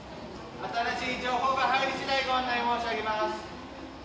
新しい情報が入りしだいご案内申し上げます。